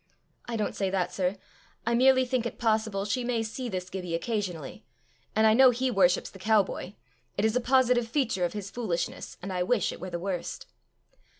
"I don't say that, sir. I merely think it possible she may see this Gibbie occasionally; and I know he worships the cow boy: it is a positive feature of his foolishness, and I wish it were the worst."